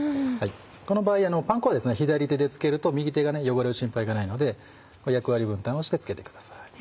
この場合パン粉は左手で付けると右手が汚れる心配がないので役割分担をして付けてください。